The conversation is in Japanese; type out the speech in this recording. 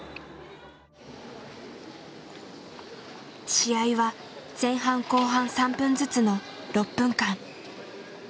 試合は前半後半３分ずつの６分間。